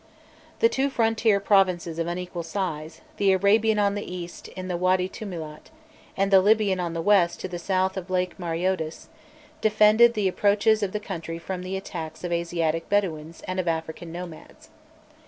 Two frontier provinces of unequal size, the Arabian on the east in the Wady Tumilat, and the Libyan on the west to the south of Lake Mareotis, defended the approaches of the country from the attacks of Asiatic Bedâwins and of African nomads.